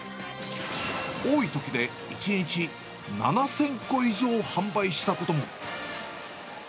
多いときで１日７０００個以上販売したことも。